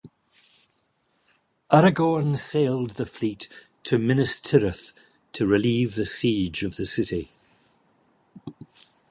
Aragorn sailed the fleet to Minas Tirith to relieve the siege of the city.